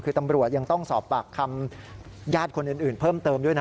คือตำรวจยังต้องสอบปากคำญาติคนอื่นเพิ่มเติมด้วยนะ